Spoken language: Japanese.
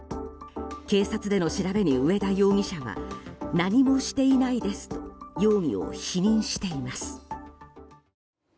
警察での調べに、上田容疑者は何もしていないですと容疑を否認しています。